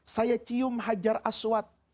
saya cium hajar aswat